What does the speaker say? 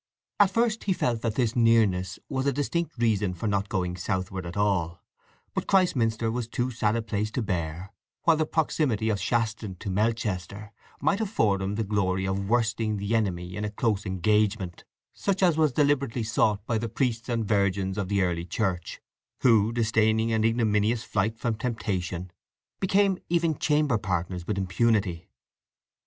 At first he felt that this nearness was a distinct reason for not going southward at all; but Christminster was too sad a place to bear, while the proximity of Shaston to Melchester might afford him the glory of worsting the Enemy in a close engagement, such as was deliberately sought by the priests and virgins of the early Church, who, disdaining an ignominious flight from temptation, became even chamber partners with impunity.